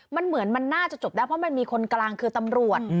มันเหมือนมันน่าจะจบได้เพราะมันมีคนกลางคือตำรวจ